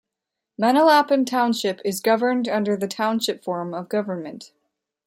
Manalapan Township is governed under the Township form of government.